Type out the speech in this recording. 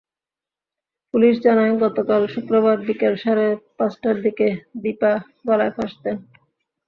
Police জানায়, গতকাল শুক্রবার বিকেল সাড়ে পাঁচটার দিকে দীপা গলায় ফাঁস দেন।